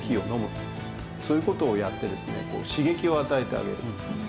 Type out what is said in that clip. そういう事をやってですね刺激を与えてあげる。